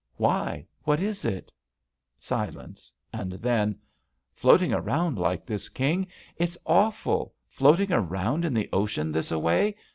"Why, what is it ?" Silence. And then : "Floating around, like this. King. It's aw ful ! Floating around in the ocean, this a way.